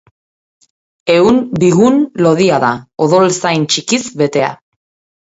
Ehun bigun lodia da, odol zain txikiz betea.